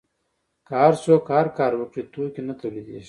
که هر څوک هر کار وکړي توکي نه تولیدیږي.